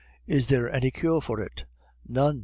"Is there any cure for it?" "None.